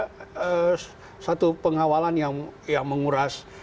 ada satu pengawalan yang menguras